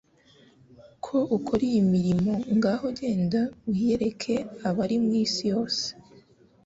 Ko ukora iyo mirimo, ngaho genda wiyereke abari mu isi yose.»